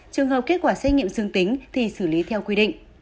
trường hợp kết quả xét nghiệm dương tính thì xử lý theo quy định